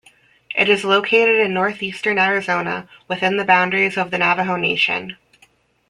It is located in northeastern Arizona within the boundaries of the Navajo Nation.